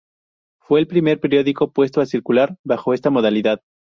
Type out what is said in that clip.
Fue el primer periódico puesto a circular bajo esta modalidad.